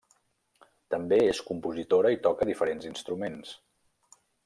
També és compositora i toca diferents instruments.